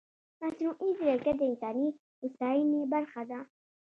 مصنوعي ځیرکتیا د انساني هوساینې برخه ده.